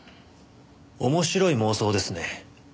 面白い妄想ですね。